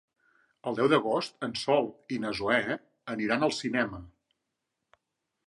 El deu d'agost en Sol i na Zoè aniran al cinema.